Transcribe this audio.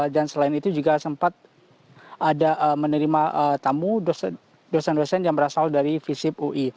dan selain itu juga sempat ada menerima tamu dosen dosen yang berasal dari vizip ui